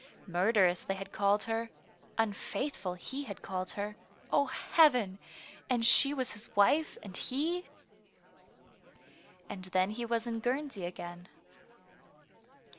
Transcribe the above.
Murderess they had called her, unfaithful he had called her, O Heaven ! and she was his wife, and he And then he was in Guernsey again.